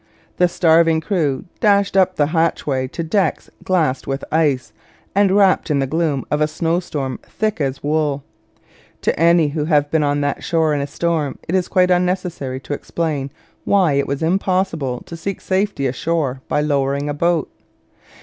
The starving crew dashed up the hatchway to decks glassed with ice and wrapped in the gloom of a snow storm thick as wool. To any who have been on that shore in a storm it is quite unnecessary to explain why it was impossible to seek safety ashore by lowering a boat.